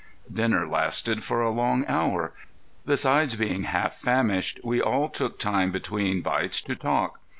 Dinner lasted for a long hour. Besides being half famished we all took time between bites to talk.